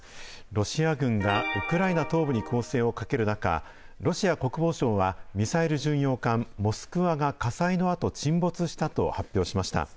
ロシア軍がウクライナ東部に攻勢をかける中、ロシア国防省は、ミサイル巡洋艦モスクワが火災のあと、沈没したと発表しました。